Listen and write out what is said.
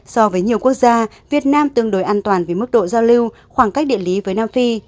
so với nhiều quốc gia việt nam tương đối an toàn về mức độ giao lưu khoảng cách địa lý với nam phi